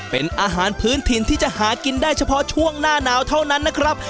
เป็นอาหารพื้นถิ่นที่จะหากินได้เฉพาะช่วงหน้าหนาวเท่านั้นนะครับ